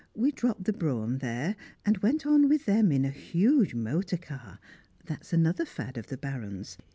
We dropped the brougham there, and went on with them in a huge motor car (that is another fad of the Baron's).